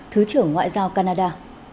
thứ trưởng ngoại giao canada